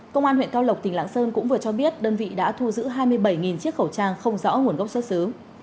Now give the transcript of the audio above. công an huyện cao lộc tỉnh lạng sơn cũng vừa cho biết đơn vị đã thu giữ hai mươi bảy chiếc khẩu trang không rõ nguồn gốc xuất xứ